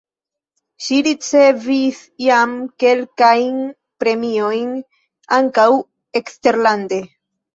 Ŝi ricevis jam kelkajn premiojn (ankaŭ eksterlande).